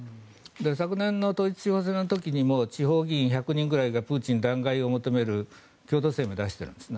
昨年の統一地方選の時も地方議員１００人ぐらいがプーチン弾劾を求める共同声明を出しているんですね。